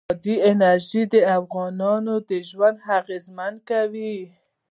بادي انرژي د افغانانو ژوند اغېزمن کوي.